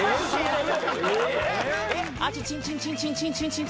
「アチチンチンチンチンチンチンチン」